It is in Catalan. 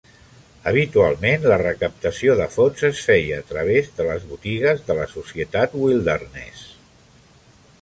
Habitualment la recaptació de fons es feia a través de les botigues de la societat Wilderness.